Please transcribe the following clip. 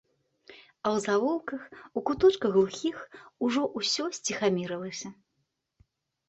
А ў завулках, у куточках глухіх ужо ўсё сціхамірылася.